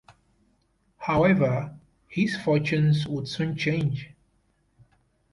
However, his fortunes would soon change.